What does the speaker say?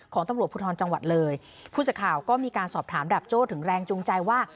ของตำรวจภูทรจังหวัดเลยผู้สื่อข่าวก็มีการสอบถามดับโจ้ถึงแรงจูงใจว่า